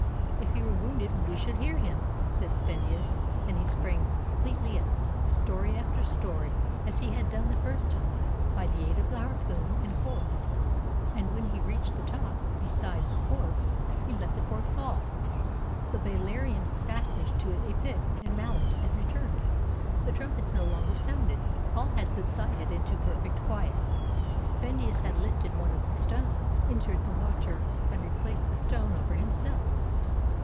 "If he were wounded, we should hear him," said Spendius, and he sprang fleetly up, story after story, as he had done the first time, by the aid of the harpoon and cord, and when he reached the top, beside the corpse, he 284 THE CUTTING OF THE AQUEDUCT let the cord fall. The Balearian fastened to it a pick and mallet, and returned. The trumpets no longer sounded: all had subsided into perfect quiet. Spendius had lifted one of the stones, entered the water, and replaced the stone over himself.